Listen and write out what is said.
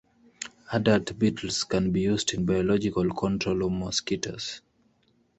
Adult beetles can be used in biological control of mosquitoes.